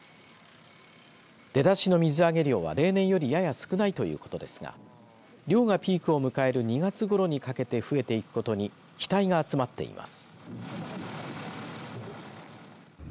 出だしの水揚げ量は、例年よりやや少ないということですが漁がピークを迎える２月ごろにかけて増えていくことに期待が集まっています。